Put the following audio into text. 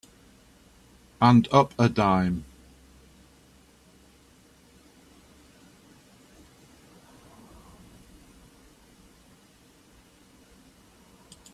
And up a dime.